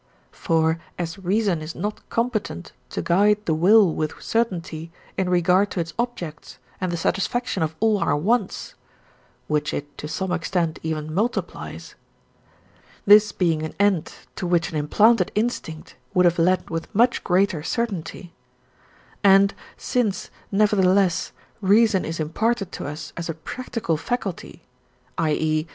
For as reason is not competent to guide the will with certainty in regard to its objects and the satisfaction of all our wants (which it to some extent even multiplies), this being an end to which an implanted instinct would have led with much greater certainty; and since, nevertheless, reason is imparted to us as a practical faculty, i.e.